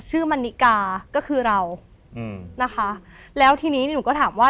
มันนิกาก็คือเราอืมนะคะแล้วทีนี้หนูก็ถามว่า